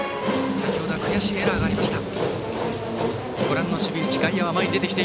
先程は悔しいエラーがありました。